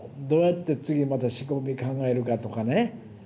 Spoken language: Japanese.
どうやって次また仕込み考えるかとかね。